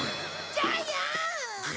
ジャイアン！